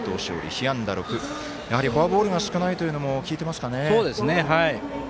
被安打６、やはりフォアボールが少ないというのも効いてますかね。